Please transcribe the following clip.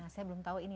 saya belum tahu ini